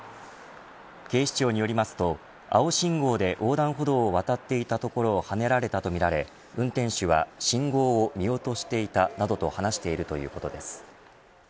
警視庁によりますと、青信号で横断歩道を渡っていたところをはねられたとみられ運転手は信号を見落としていたなどと話しているということです。